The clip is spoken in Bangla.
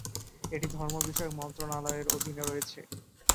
এটি ধর্ম বিষয়ক মন্ত্রণালয়ের অধীনে রয়েছে।